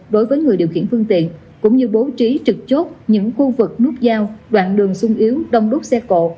đối với người điều khiển phương tiện cũng như bố trí trực chốt những khu vực nút giao đoạn đường sung yếu đông đúc xe cổ